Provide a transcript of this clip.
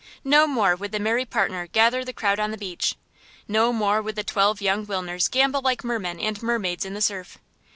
No more would the merry partner gather the crowd on the beach; no more would the twelve young Wilners gambol like mermen and mermaids in the surf.